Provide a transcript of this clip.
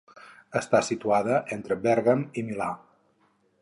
Està situada entre Bèrgam i Milà.